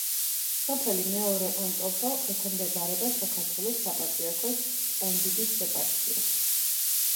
სოფელი მეორე ონტოფო ექვემდებარება საქართველოს საპატრიარქოს ჭყონდიდის ეპარქიას.